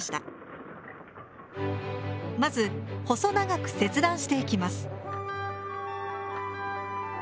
まず細長く切断していきます。